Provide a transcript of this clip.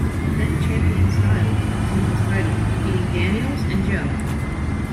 Then-champion Styles retained his title, beating Daniels and Joe.